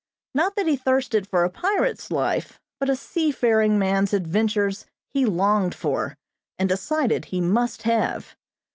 Not that he thirsted for a pirate's life, but a seafaring man's adventures he longed for and decided he must have.